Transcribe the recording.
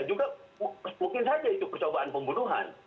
juga mungkin saja itu percobaan pembunuhan